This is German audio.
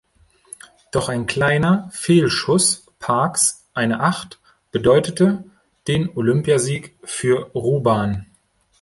Doch ein kleiner Fehlschuss Parks, eine Acht, bedeutete den Olympiasieg für Ruban.